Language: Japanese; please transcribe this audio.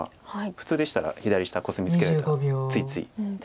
普通でしたら左下コスミツケられたらついつい。